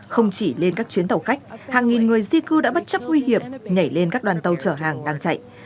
không chỉ lên các chuyến tàu khách hàng nghìn người di cư đã bất chấp nguy hiểm nhảy lên các đoàn tàu chở hàng đang chạy